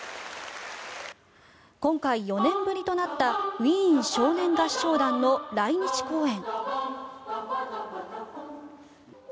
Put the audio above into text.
今回、４年ぶりとなったウィーン少年合唱団の来日公演。